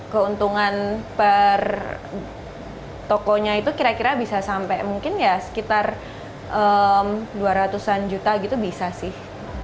keuntungan per tokonya itu kira kira bisa sampai mungkin ya sekitar dua ratus an juta gitu bisa sih